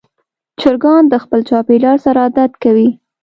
چرګان د خپل چاپېریال سره عادت کوي.